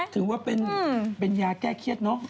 ถือว่าเป็นยาแก้เครียดเนอะ